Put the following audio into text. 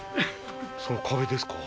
その壁ですか？